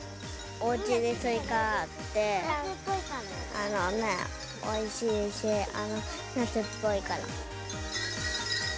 おうちでスイカで、おいしいし、夏っぽいから。